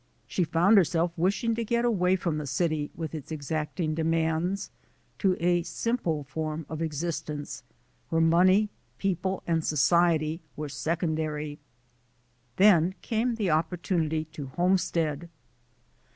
She found herself wishing to get away from the city with its exacting demands, to a simple form of existence where money, people, and society were secondary. Then came the opportunity to homestead.